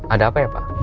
ada apa ya pak